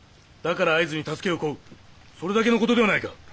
だから会津に助けを請うそれだけの事ではないか。